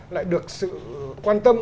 lại được sự quan tâm